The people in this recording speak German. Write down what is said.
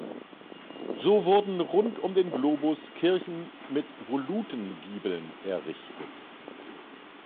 So wurden rund um den Globus Kirchen mit Volutengiebeln errichtet.